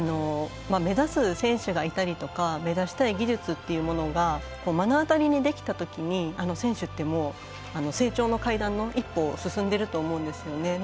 目指す選手がいたりとか目指したい技術というものが目の当たりにできたときに選手って成長の階段を一歩進んでいると思うんですよね。